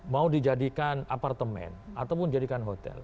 mau dijadikan apartemen ataupun jadikan hotel